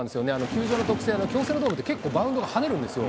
球場の特性で、京セラドームって、結構、バウンドが跳ねるんですよ。